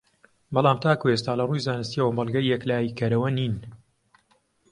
بەڵام تاکو ئێستا لەڕووی زانستییەوە بەڵگەی یەکلاییکەرەوە نین